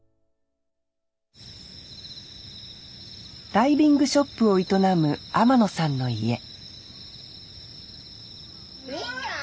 ダイビングショップを営む天野さんの家兄ちゃん？